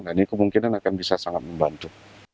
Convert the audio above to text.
nah ini kemungkinan akan bisa sangat membantu